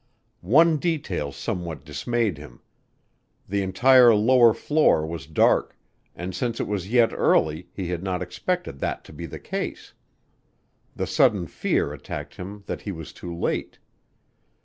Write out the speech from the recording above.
One detail somewhat dismayed him. The entire lower floor was dark, and since it was yet early he had not expected that to be the case. The sudden fear attacked him that he was too late.